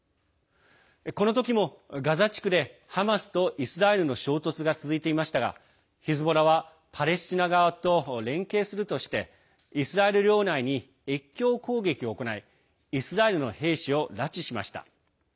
この時もガザ地区でハマスとイスラエルの衝突が続いていましたがヒズボラは、パレスチナ側と連携するとしてイスラエル領内に越境攻撃を行いイスラエルの兵士を拉致しました。